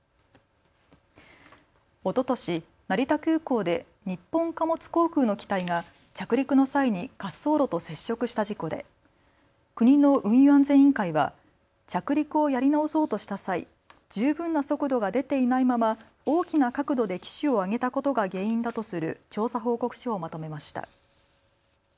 おととし、成田空港で日本貨物航空の機体が着陸の際に滑走路と接触した事故で国の運輸安全委員会は着陸をやり直そうとした際、十分な速度が出ていないまま大きな角度で機首を上げたことが原因だとする調査報告書をまとめました。